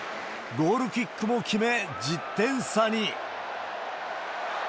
ゴールキックも決め１０点差に。